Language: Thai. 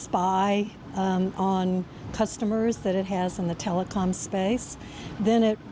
เพื่อให้สัมพันธ์กิจแปลงที่มีในสถานการณ์